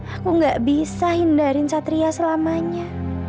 aku nggak bisa hindarin satria selamanya